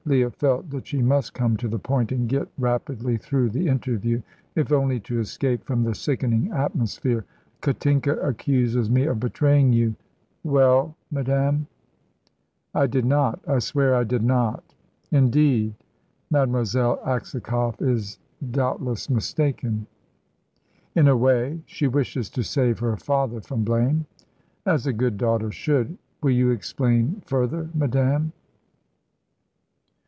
Leah felt that she must come to the point and get rapidly through the interview, if only to escape from the sickening atmosphere. "Katinka accuses me of betraying you." "Well, madame?" "I did not. I swear I did not." "Indeed? Mademoiselle Aksakoff is doubtless mistaken." "In a way. She wishes to save her father from blame." "As a good daughter should. Will you explain further, madame?"